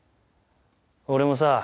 俺もさ